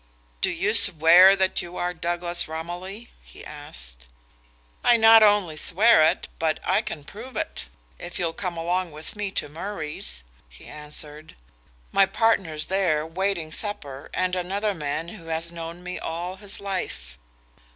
"Do you swear that you are Douglas Romilly?" he asked. "I not only swear it but I can prove it, if you'll come along with me to Murray's," he answered. "My partner's there, waiting supper, and another man who has known me all his life."